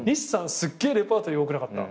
すっげえレパートリー多くなかった？